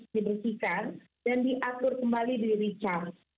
dibersihkan dan diatur kembali di richard